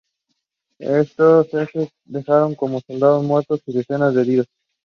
Estos hechos dejaron como saldo un muerto y decenas de heridos.